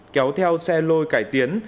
kéo theo xe lôi cải tiến